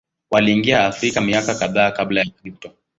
Waliingia Afrika miaka kadhaa Kabla ya Kristo.